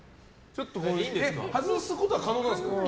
外すことは可能ですか？